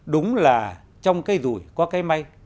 đúng là trong cây rùi có cây may